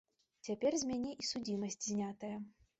Цяпер з мяне і судзімасць знятая.